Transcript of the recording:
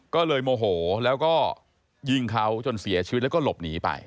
ก็เลยโมโหแล้วก็ยิงเขาจนเสียชีวิตแล้วก็หลบหนีไป